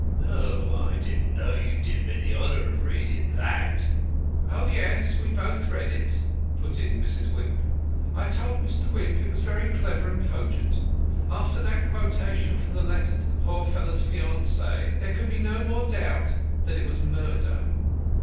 "Ah, I didn't know you did me the honour of reading that." "Oh, yes; we both read it," put in Mrs. Wimp. "I told Mr. Wimp it was very clever and cogent. After that quotation from the letter to the poor fellow's fiancée there could be no more doubt but that it was murder.